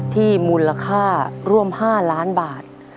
มูลค่าร่วม๕ล้านบาท